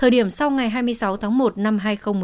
điểm sau ngày hai mươi sáu tháng một năm hai nghìn một mươi sáu